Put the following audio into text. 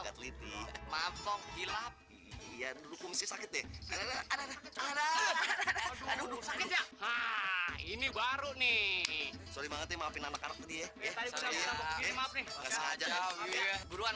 kaget litih maaf ya dulu kumisik sakit deh ada ada ada ada ada ada ini baru nih maafin